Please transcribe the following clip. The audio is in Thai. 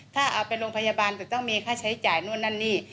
ถ้าเอาไปโรงพยาบาลจะต้องมีค่าใช้จ่ายนู่นนั่นนี่